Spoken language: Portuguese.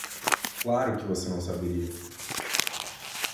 Claro que você não saberia!